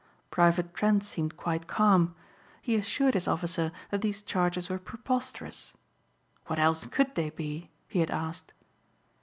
Private Trent seemed quite calm. He assured his officer that these charges were preposterous. "What else could they be?" he had asked.